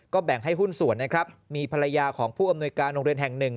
แบ่งให้หุ้นส่วนนะครับมีภรรยาของผู้อำนวยการโรงเรียนแห่งหนึ่ง